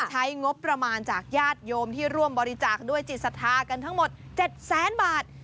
ใช้งบประมาณจากญาติโยมที่ร่วมบริจาคด้วยจิตศรัทธากันทั้งหมด๗แสนบาท